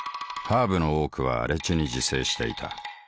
ハーブの多くは荒地に自生していた。